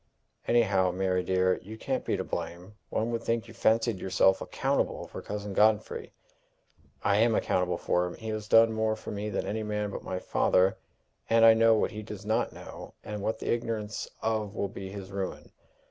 "Anyhow, Mary dear, you can't be to blame! One would think you fancied yourself accountable for Cousin Godfrey!" "I am accountable for him. He has done more for me than any man but my father; and I know what he does not know, and what the ignorance of will be his ruin.